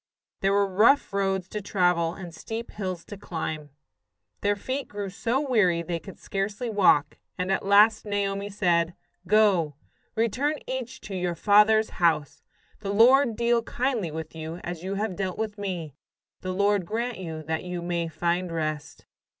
There were rough roads to travel and steep hills to climb. Their feet grew so weary they could scarcely walk, and at last Naomi said: "Go, return each to your father's house. The Lord deal kindly with you as you have dealt with me. The Lord grant you that you may find rest."